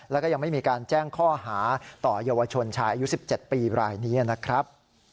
แล้วก็ยังไม่มีการแจ้งข้อหาต่อเยาวชนชายอายุ๑๗ปีรายนี้นะครับ